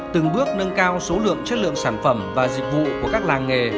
từng bước nâng cao số lượng chất lượng sản phẩm và dịch vụ của các làng nghề